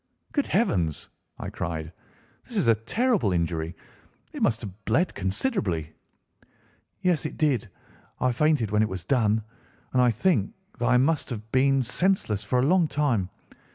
"Good heavens!" I cried, "this is a terrible injury. It must have bled considerably." "Yes, it did. I fainted when it was done, and I think that I must have been senseless for a long time.